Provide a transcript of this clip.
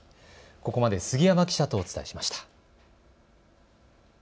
ここまで杉山記者とお伝えしました。